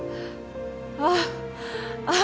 あっああ